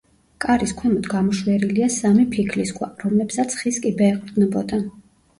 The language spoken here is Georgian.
კარის ქვემოთ გამოშვერილია სამი ფიქლის ქვა, რომლებსაც ხის კიბე ეყრდნობოდა.